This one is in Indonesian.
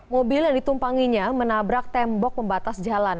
mobil yang ditumpanginya menabrak tembok pembatas jalan